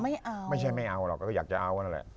ไม่เอาไม่ใช่ไม่เอาหรอกก็อยากจะเอานั่นแหละ